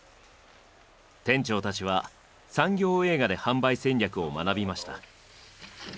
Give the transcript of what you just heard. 店長たちは産業映画で販売戦略を学びました。